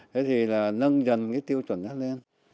thế thì là nâng dần tiêu chuẩn đó lên